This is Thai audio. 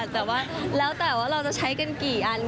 แต่ว่าแล้วแต่ว่าเราจะใช้กันกี่อัน